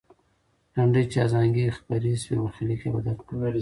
لنډۍ چې ازانګې یې خپرې سوې، برخلیک یې بدل کړ.